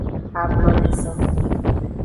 Ablodezan.